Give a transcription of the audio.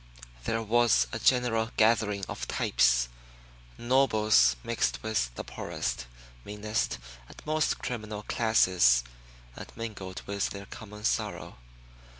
There was a general gathering of types. Nobles mixed with the poorest, meanest and most criminal classes, and mingled with their common sorrow.